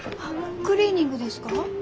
クリーニングですか？